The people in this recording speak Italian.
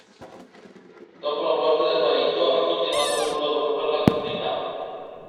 Dopo la morte del marito, ha continuato il suo lavoro per la comunità.